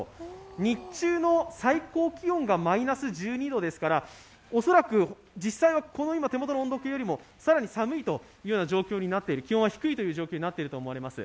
日中の最高気温がマイナス１２度ですから、恐らく実際は手元の温度計よりもさらに寒い、気温は低いという状況になっていると思われます。